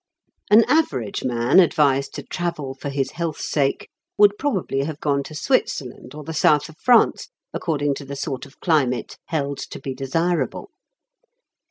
An average man advised to travel for his health's sake would probably have gone to Switzerland or the South of France, according to the sort of climate held to be desirable.